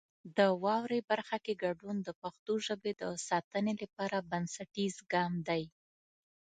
د واورئ برخه کې ګډون د پښتو ژبې د ساتنې لپاره بنسټیز ګام دی.